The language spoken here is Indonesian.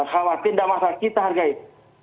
khawatir dan masyarakat kita